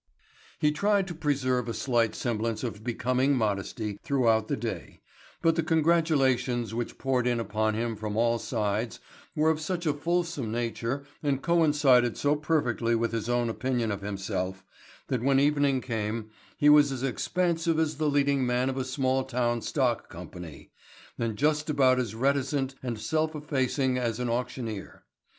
He tried to preserve a slight semblance of becoming modesty throughout the day, but the congratulations which poured in upon him from all sides were of such a fulsome nature and coincided so perfectly with his own opinion of himself that when evening came he was as expansive as the leading man of a small town stock company and just about as reticent and self effacing as an auctioneer.